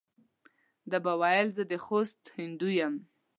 ده به ویل زه د خوست هندو یم.